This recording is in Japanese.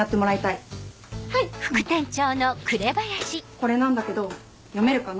これなんだけど読めるかな？